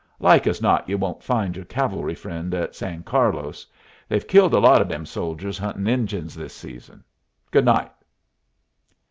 Like as not you won't find your cavalry friend at San Carlos. They've killed a lot of them soldiers huntin' Injuns this season. Good night."